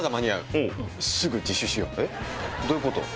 えっ？どういうこと？